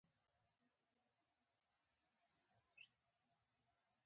د حاصلاتو د راټولولو لپاره باید سمه پلانګذاري وشي.